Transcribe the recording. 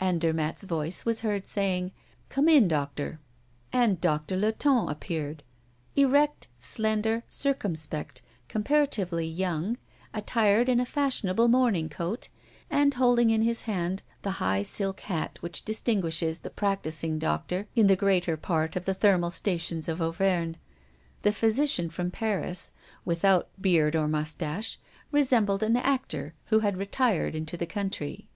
Andermatt's voice was heard saying, "Come in, doctor." And Doctor Latonne appeared. Erect, slender, circumspect, comparatively young, attired in a fashionable morning coat, and holding in his hand the high silk hat which distinguishes the practicing doctor in the greater part of the thermal stations of Auvergne, the physician from Paris, without beard or mustache, resembled an actor who had retired into the country.